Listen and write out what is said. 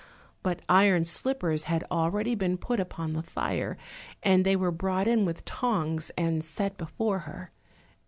But iron slippers had already been put upon the fire, and they were brought in with tongs, and set before her.